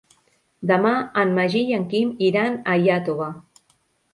Demà en Magí i en Quim iran a Iàtova.